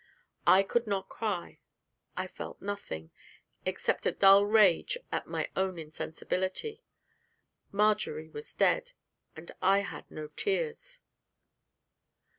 I could not cry; I felt nothing, except a dull rage at my own insensibility. Marjory was dead and I had no tears.